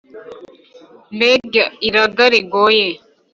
Mbega iraga rigoye!